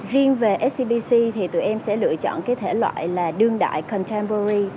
riêng về scbc thì tụi em sẽ lựa chọn cái thể loại là đương đại contemporary